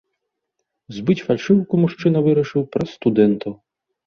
Збыць фальшыўку мужчына вырашыў праз студэнтаў.